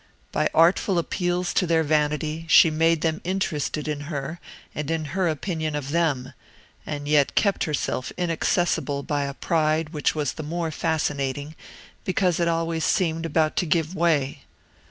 By artful appeals to their vanity, she made them interested in her and in her opinion of them, and yet kept herself inaccessible by a pride which was the more fascinating because it always seemed about to give way.